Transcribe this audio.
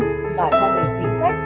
và xảy ra chính sách